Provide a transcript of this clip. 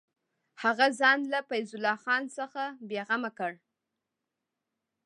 هغه ځان له فیض الله خان څخه بېغمه کړ.